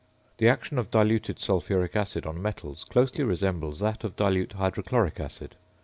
The action of diluted sulphuric acid on metals closely resembles that of dilute hydrochloric acid.